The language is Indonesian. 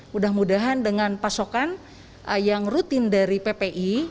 mudah mudahan dengan pasokan yang rutin dari ppi